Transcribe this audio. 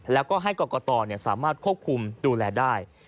แล้วก็ให้กรกตสามารถควบคุมดูแลได้